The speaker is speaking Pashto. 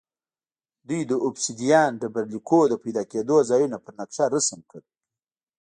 دوی د اوبسیدیان ډبرلیکونو د پیدا کېدو ځایونه پر نقشه رسم کړل